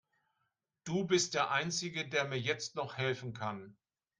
Du bist der einzige, der mir jetzt noch helfen kann.